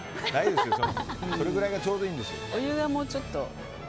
それぐらいがちょうどいいんですよ。